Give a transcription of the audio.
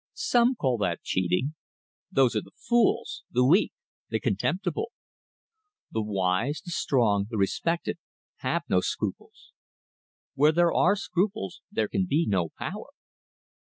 Some call that cheating. Those are the fools, the weak, the contemptible. The wise, the strong, the respected, have no scruples. Where there are scruples there can be no power.